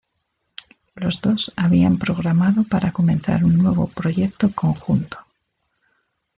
Los dos habían programado para comenzar un nuevo proyecto conjunto.